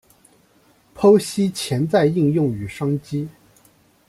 剖析潜在应用与商机